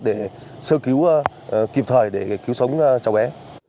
để sơ cứu kịp thời để cứu sống cháu bé